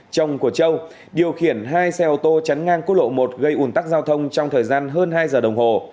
chồng của châu điều khiển hai xe ô tô chắn ngang quốc lộ một gây ủn tắc giao thông trong thời gian hơn hai giờ đồng hồ